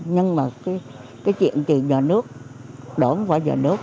nhưng mà cái chuyện thì nhà nước đổ không phải nhà nước